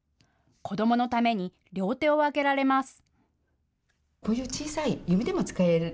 子どものために両手を空けられます。